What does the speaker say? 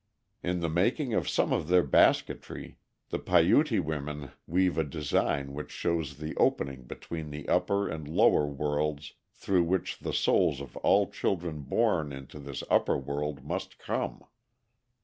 In the making of some of their basketry the Paiuti women weave a design which shows the opening between the upper and lower worlds through which the souls of all children born into this upper world must come.